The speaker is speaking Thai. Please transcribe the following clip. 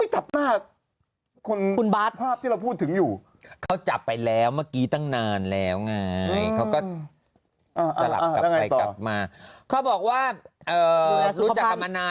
เออผมก็ไม่มีใจจะทำยังไงมีอวกกว่านี่